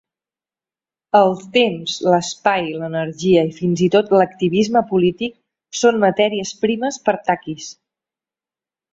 El temps, l'espai, l'energia i fins i tot l'activisme polític són matèries primes per Takis.